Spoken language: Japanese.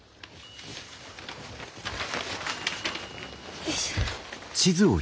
よいしょ。